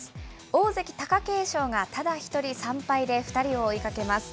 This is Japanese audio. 大関・貴景勝がただ１人３敗で２人を追いかけます。